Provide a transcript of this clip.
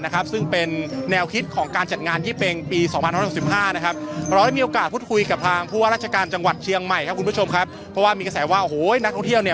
คุณผู้ชมครับเพราะว่ามีกระแสว่าโอ้โหนักท่องเที่ยวเนี่ย